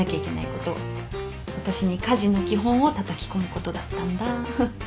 私に家事の基本をたたき込むことだったんだ。